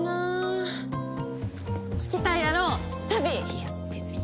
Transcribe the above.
いや別に。